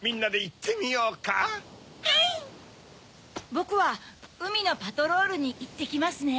ボクはうみのパトロールにいってきますね。